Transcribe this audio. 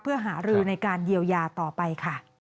เพื่อหารือในการเยียวยาต่อไปค่ะ